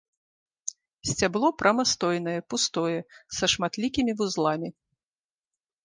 Сцябло прамастойнае, пустое, са шматлікімі вузламі.